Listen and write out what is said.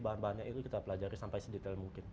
bahan bahannya itu kita pelajari sampai sedetail mungkin